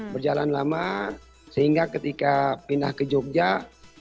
berjalan lama sehingga ketika pindah ke jogja